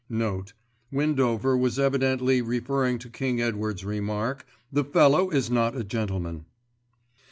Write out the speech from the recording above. Windover was evidently referring to King Edward's remark, "The fellow is not a gentleman."